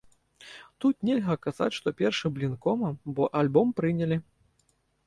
Тут нельга казаць, што першы блін комам, бо альбом прынялі.